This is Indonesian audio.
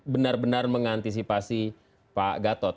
benar benar mengantisipasi pak gatot